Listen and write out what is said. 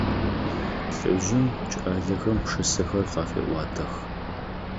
Лӏыжъым кӏалэхэм пшысэхэр къафеӏуатэх.